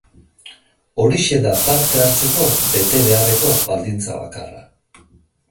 Horixe da parte hartzeko bete beharreko baldintza bakarra.